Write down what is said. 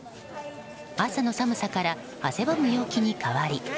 朝の寒さから汗ばむ陽気に変わり